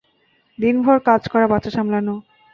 দিনভর কাজ করা, বাচ্চা সামলানো।